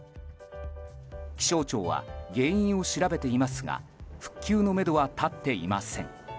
気象庁は原因を調べていますが復旧のめどは立っていません。